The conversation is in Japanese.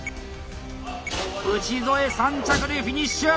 内添３着でフィニッシュ！